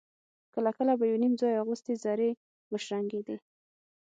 کله کله به يو _نيم ځای اغوستې زرې وشرنګېدې.